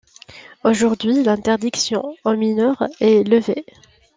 Aujourd'hui, l'interdiction aux mineurs est levée.